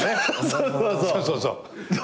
そうそうそう！